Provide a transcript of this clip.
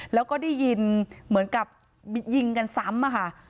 แล้วก็ได้ยินเหมือนกับยิงกันซ้ำอะค่ะ